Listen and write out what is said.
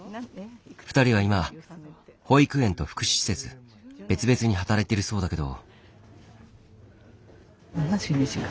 ２人は今保育園と福祉施設別々に働いてるそうだけど。